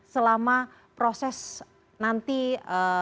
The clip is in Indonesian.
selama proses nantinya